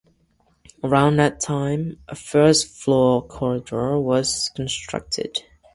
Around that time, a first floor corridor was constructed.